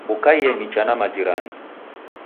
Kukaie nicha na majirani.